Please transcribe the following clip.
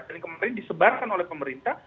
dan kemarin disebarkan oleh pemerintah